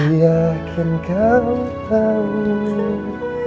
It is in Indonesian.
ku yakin kau tahu